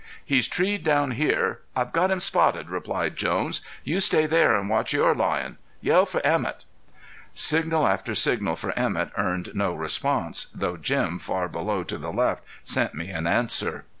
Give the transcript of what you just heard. "He's treed down here. I've got him spotted!" replied Jones. "You stay there and watch your lion. Yell for Emett." Signal after signal for Emett earned no response, though Jim far below to the left sent me an answer.